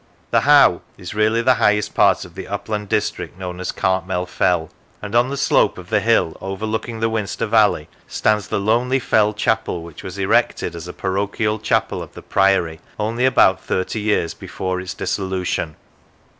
The How is really the highest part of the upland district known as Cartmel Fell, and on the slope of the hill overlooking the Winster valley stands the lonely fell chapel, which was erected as a parochial chapel of the Priory only about thirty years before its dissolution.